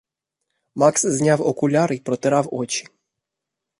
Макс зняв окуляри й протирав очі.